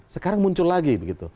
sekarang muncul lagi